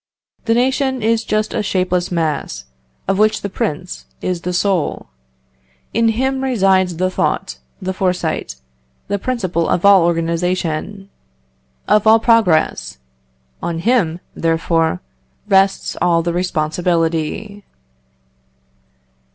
The nation is just a shapeless mass, of which the prince is the soul. In him resides the thought, the foresight, the principle of all organisation, of all progress; on him, therefore, rests all the responsibility.